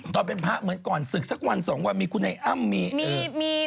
ตอนเป็นพระเหมือนก่อนศึกสักวันสองวันมีคุณไอ้อ้ำมี